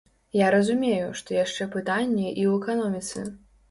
Я разумею, што яшчэ пытанне і ў эканоміцы.